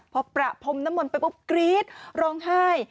พอประพรมน้ำมนต์ไปปุ๊บกรี๊ดร้องไห้